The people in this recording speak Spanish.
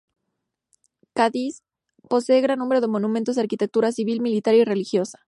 Cádiz posee gran número de monumentos de arquitectura civil, militar y religiosa.